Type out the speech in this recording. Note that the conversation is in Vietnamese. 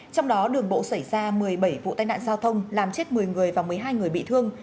trong đó đường bộ xảy ra một mươi bảy vụ tai nạn giao thông làm chết một mươi người và một mươi hai người bị thương